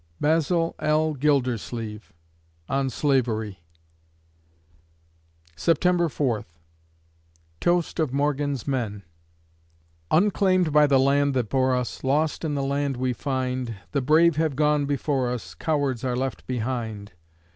BASIL L. GILDERSLEEVE (On Slavery) September Fourth TOAST OF MORGAN'S MEN Unclaimed by the land that bore us, Lost in the land we find, The brave have gone before us, Cowards are left behind!